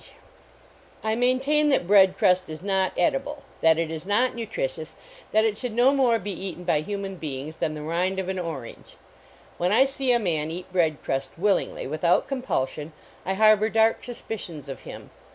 A NEIGHBORLY NEIGHBORHOOD I maintain that bread crust is not edible, that it is not nutritious, that it should no more be eaten by human beings than the rind of an orange. When I . ee a man eat bread crust willingly, without compulsion, I harbor dark Mispicions of him.